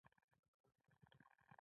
زه دوه وروڼه او دوه خویندی لرم.